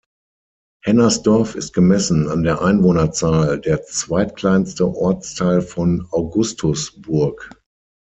Hennersdorf ist gemessen an der Einwohnerzahl der zweitkleinste Ortsteil von Augustusburg.